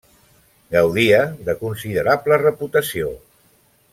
Gaudia de considerable reputació.